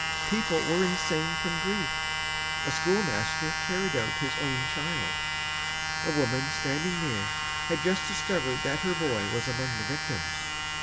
People were insane from grief. A schoolmaster carried out his own child. A woman standing near had just discovered that her boy was among the victims.